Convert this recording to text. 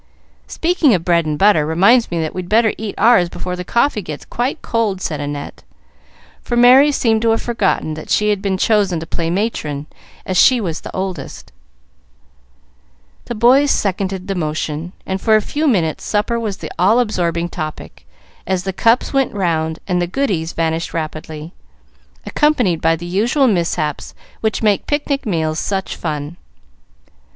"Speaking of bread and butter reminds me that we'd better eat ours before the coffee gets quite cold," said Annette, for Merry seemed to have forgotten that she had been chosen to play matron, as she was the oldest. The boys seconded the motion, and for a few minutes supper was the all absorbing topic, as the cups went round and the goodies vanished rapidly, accompanied by the usual mishaps which make picnic meals such fun.